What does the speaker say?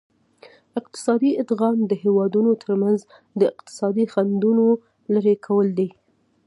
اقتصادي ادغام د هیوادونو ترمنځ د اقتصادي خنډونو لرې کول دي